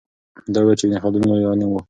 دوی وویل چې ابن خلدون لوی عالم و.